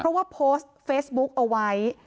เพราะว่าโพสต์เฟซบุ๊กเอาไว้